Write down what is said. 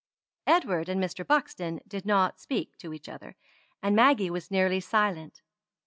Edward and Mr. Buxton did not speak to each other, and Maggie was nearly silent.